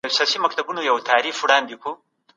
دا په میوې او سبو کې وي.